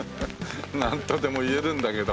なんとでも言えるんだけど。